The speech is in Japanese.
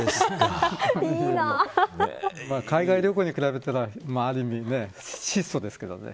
海外旅行に比べたらある意味、質素ですけどね。